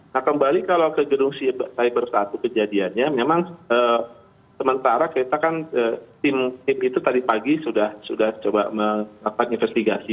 nah kembali kalau ke gedung cyber satu kejadiannya memang sementara kita kan tim itu tadi pagi sudah coba melakukan investigasi